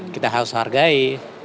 kita harus hargai